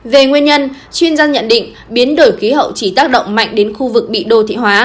về nguyên nhân chuyên gia nhận định biến đổi khí hậu chỉ tác động mạnh đến khu vực bị đô thị hóa